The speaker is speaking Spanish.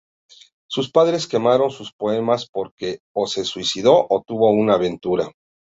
Sus padres quemaron sus poemas porque, o se suicidó, o tuvo una aventura.